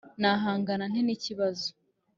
Nahangana nte n ikibazo